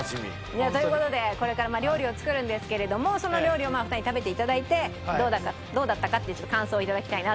いやという事でこれから料理を作るんですけれどもその料理をお二人に食べて頂いてどうだったかってちょっと感想を頂きたいなと。